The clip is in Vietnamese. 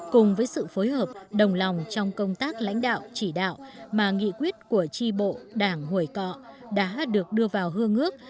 cùng với sự phối hợp đồng lòng trong công tác lãnh đạo chỉ đạo mà nghị quyết của tri bộ đảng hồi cọ đã được đưa vào hương ước